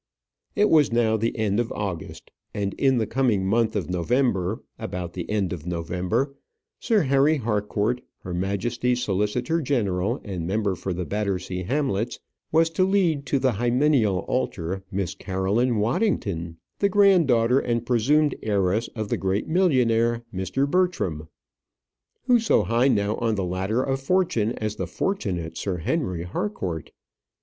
It was now the end of August, and in the coming month of November about the end of November Sir Henry Harcourt, Her Majesty's solicitor general, and member for the Battersea Hamlets, was to lead to the hymeneal altar Miss Caroline Waddington, the granddaughter and presumed heiress of the great millionaire, Mr. Bertram. Who so high now on the ladder of fortune as the fortunate Sir Henry Harcourt?